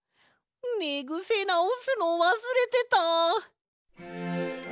ねぐせなおすのわすれてた！